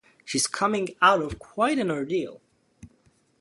She's coming out of quite an ordeal.